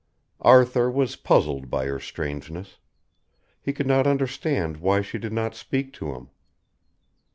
Arthur was puzzled by her strangeness. He could not understand why she did not speak to him.